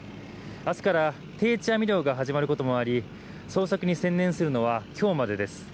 明日から定置網漁が始まることもあり捜索に専念するのは今日までです。